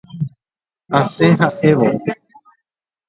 Asẽ ha'évo.